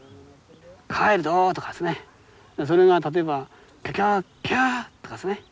「帰るぞ！」とかですねそれが例えば「キャキャッキャッ！」とかですね。